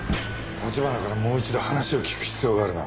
立花からもう一度話を聞く必要があるな。